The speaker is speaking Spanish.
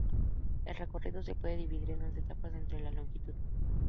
El recorrido se puede dividir en once etapas de entre y de longitud.